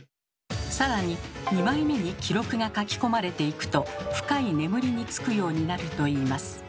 更に２枚目に記録が書き込まれていくと深い眠りにつくようになるといいます。